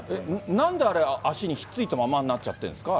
なんであれ、足に引っ付いたままになっちゃってんですか？